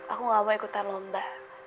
aku gak mau ikutan lomba